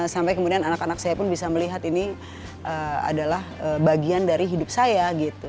sampai kemudian anak anak saya pun bisa melihat ini adalah bagian dari hidup saya gitu